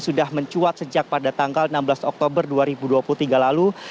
sudah mencuat sejak pada tanggal enam belas oktober dua ribu dua puluh tiga lalu